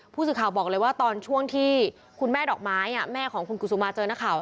ผู้สื่อข่าวบอกเลยว่าตอนช่วงที่คุณแม่ดอกไม้แม่ของคุณกุศุมาเจอนักข่าว